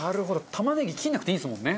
玉ねぎ切らなくていいですもんね。